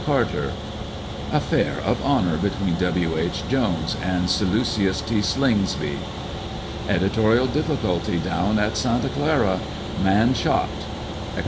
Carter;" "Affair of honour between W. H. Jones and Salucius T. Slingsby ;"" Edi torial Difficulty down at Santa Clara — Man Shot," &c.